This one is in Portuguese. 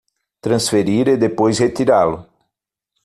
Transferir e depois retirá-lo